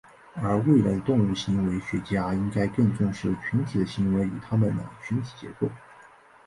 而未来的动物行为学家应该更重视群体的行为与它们的群体结构。